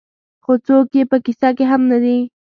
خو څوک یې په کيسه کې هم نه دي.